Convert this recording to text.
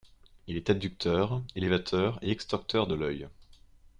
Il est abducteur, élévateur et extorteur de l'œil.